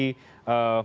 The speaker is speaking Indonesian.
pada saat ini